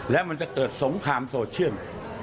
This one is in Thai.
และมันจะเกิดสงครามโสดเชื่อม